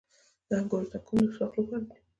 د انګورو تاکونه د سوخت لپاره دي.